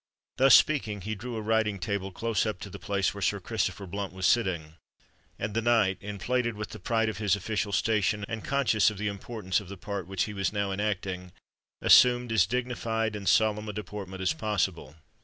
Thus speaking, he drew a writing table close up to the place where Sir Christopher Blunt was sitting; and the knight, inflated with the pride of his official station, and conscious of the importance of the part which he was now enacting, assumed as dignified and solemn a deportment as possible.